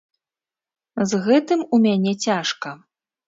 З гэтым у мяне цяжка.